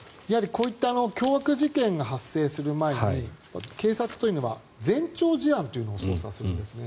こういった凶悪事件が発生する前に警察というのは前兆事案というのを捜査するんですね。